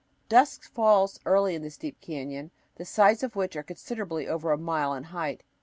Dusk falls early in this deep canyon, the sides of which are considerably over a mile in height.